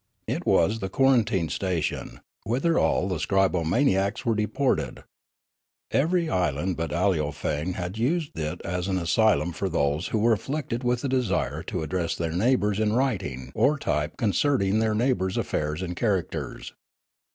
It was the quarantine station, whither all the scribo maniacs were deported. Every island but Aleofane had used it as an asylum for those who were afflicted with the desire to address their neighbours in writing or type concerning their neighbours' affairs and char acters.